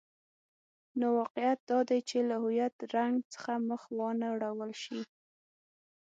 نو واقعیت دادی چې له هویت رنګ څخه مخ وانه ړول شي.